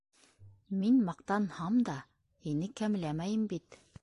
Мин маҡтанһам да, һине кәмләмәйем бит.